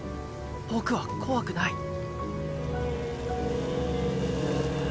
僕は怖くない。